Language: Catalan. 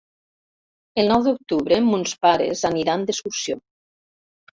El nou d'octubre mons pares aniran d'excursió.